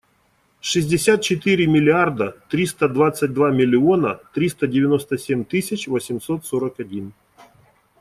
Шестьдесят четыре миллиарда триста двадцать два миллиона триста девяносто семь тысяч восемьсот сорок один.